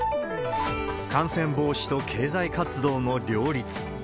感染防止と経済活動の両立。